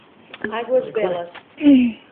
Águas Belas